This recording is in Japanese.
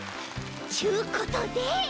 ちゅうことで。